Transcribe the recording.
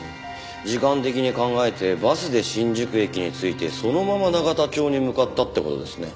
時間的に考えてバスで新宿駅に着いてそのまま永田町に向かったって事ですね。